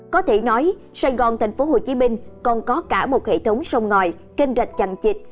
có thể nói sài gòn thành phố hồ chí minh còn có cả một hệ thống sông ngòi kênh rạch chằn chịch